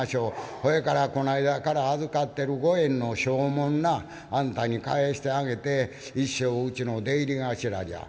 それからこの間から預ってる５円の証文なあんたに返してあげて一生うちの出入り頭じゃ」。